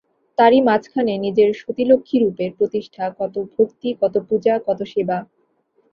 তারই মাঝখানে নিজের সতীলক্ষ্মী-রূপের প্রতিষ্ঠা– কত ভক্তি, কত পূজা, কত সেবা!